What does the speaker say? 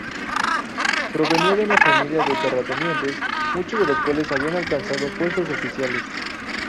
Provenía de una familia de terratenientes, muchos de cuales habían alcanzado puestos oficiales.